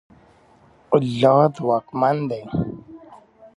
الله ځواکمن دی.